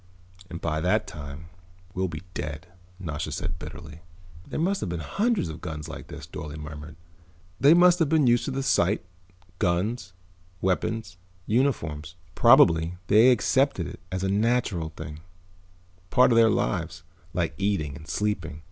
"And by that time we'll be dead," Nasha said bitterly. "There must have been hundreds of guns like this," Dorle murmured. "They must have been used to the sight, guns, weapons, uniforms. Probably they accepted it as a natural thing, part of their lives, like eating and sleeping.